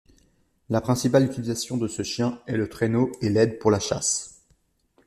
La principale utilisation de ce chien est le traîneau et l'aide pour la chasse.